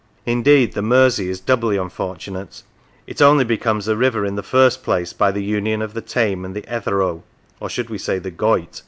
Indeed the Mersey is doubly unfortunate. It only becomes a river, in the first place, by the union of the Tame and the Etherow (or should we say the Goyt